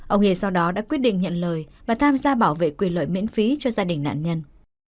ông hề sau đó đã quyết định nhận lời và tham gia bảo vệ quyền lợi miễn phí cho gia đình nạn nhân